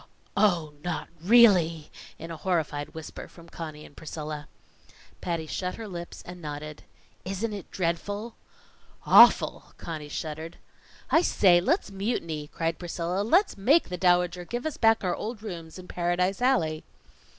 "Oh! not really?" in a horrified whisper from Conny and Priscilla. Patty shut her lips and nodded. "Isn't it dreadful?" "Awful!" Conny shuddered. "I say, let's mutiny!" cried Priscilla. "Let's make the Dowager give us back our old rooms in Paradise Alley."